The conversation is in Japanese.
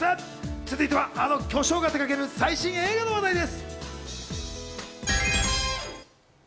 続いては、あの巨匠が手がける最新映画の話題です。